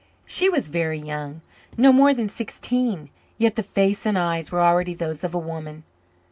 She was very young no more than sixteen; yet the face and eyes were already those of a woman.